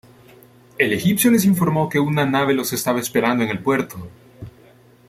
El egipcio les informó que una nave los estaba esperando en el puerto.